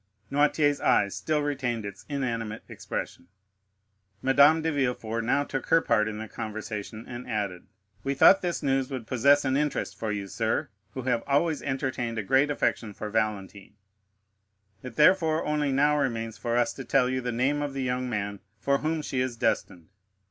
Noirtier's eye still retained its inanimate expression. Madame de Villefort now took her part in the conversation and added: "We thought this news would possess an interest for you, sir, who have always entertained a great affection for Valentine; it therefore only now remains for us to tell you the name of the young man for whom she is destined.